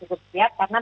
yang itu dikeluarkan